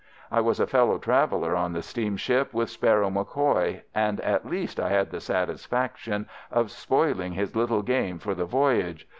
"I was a fellow traveller, on the steamship, with Sparrow MacCoy, and at least I had the satisfaction of spoiling his little game for the voyage.